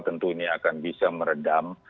tentu ini akan bisa meredam